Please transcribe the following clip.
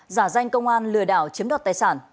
giả danh công an lừa đảo chiếm đoạt tài sản